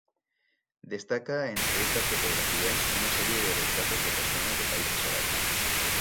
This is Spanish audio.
Destaca entre estas fotografías, una serie de retratos de personas de países árabes.